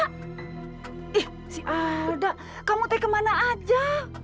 ih si alda kamu t kemana aja